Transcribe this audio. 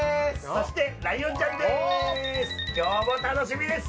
そして、ライオンちゃんです。